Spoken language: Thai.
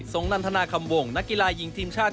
นันทนาคำวงนักกีฬายิงทีมชาติ